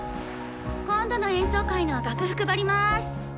今度の演奏会の楽譜配ります。